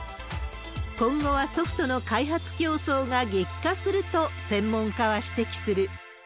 今後はソフトの開発競争が激化すると専門家は指摘する。